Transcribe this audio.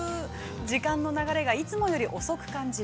時間の流れがいつもより遅く感じる。